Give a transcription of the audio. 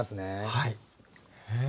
はい。